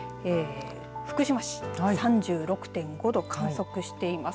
福島市３６．５度観測しています。